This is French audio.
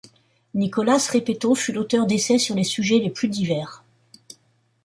Nicolás Repetto fut l’auteur d’essais sur les sujets les plus divers.